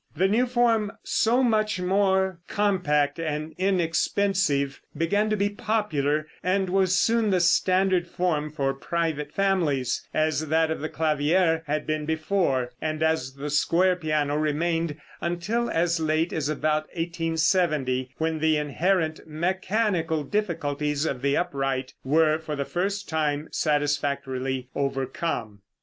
The new form, so much more compact and inexpensive, began to be popular, and was soon the standard form for private families, as that of the clavier had been before, and as the square piano, remained until as late as about 1870, when the inherent mechanical difficulties of the upright were for the first time satisfactorily overcome.